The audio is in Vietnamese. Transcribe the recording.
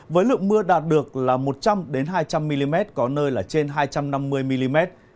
với lượng mưa đạt được là một trăm linh hai trăm linh mm có nơi là trên hai trăm năm mươi mm